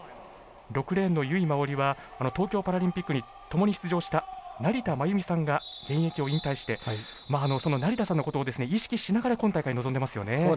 ６レーンの由井真緒里は東京パラリンピックにともに出場した成田真由美さんが現役を引退してその成田さんのことを意識しながら今大会、臨んでいますよね。